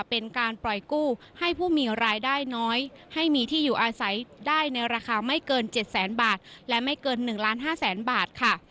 เป็นการปล่อยกู้ให้ผู้มีรายได้น้อยให้มีที่อยู่อาศัยได้ในราคาไม่เกิน๗แสนบาทและไม่เกิน๑ล้าน๕แสนบาทค่ะ